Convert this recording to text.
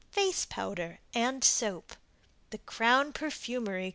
Face Powder and Soap. THE CROWN PERFUMERY CO.